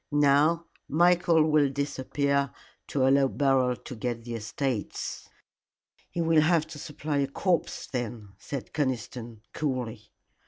Now Michael will disappear to allow Beryl to get the estates." "He will have to supply a corpse then," said Conniston, coolly.